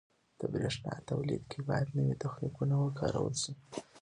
• د برېښنا تولید کې باید نوي تخنیکونه وکارول شي.